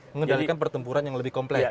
mengendalikan pertempuran yang lebih kompleks